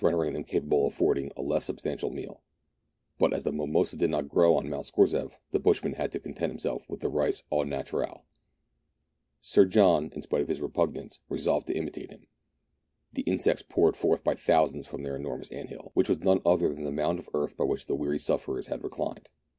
dering them capable of affording a less unsubstantial meal ; but as the mimosa did not grow on Mount Scorzef, the bush man had to content himself with his rice ait iiaturel. Sir John, in spite of his repugnance, resolved to imitate him. The insects poured forth by thousands from their enormous ant hill, which was none other than the mound of earth by which the weary sufferers had reclined.